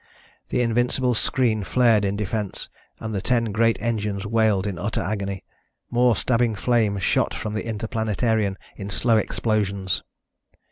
The Invincible's screen flared in defense and the ten great engines wailed in utter agony. More stabbing flame shot from the Interplanetarian in slow explosions.